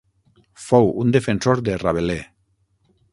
Fou un defensor de Rabelais.